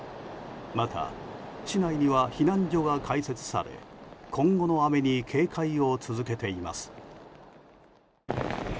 また、市内には避難所が開設され今後の雨に警戒を続けています。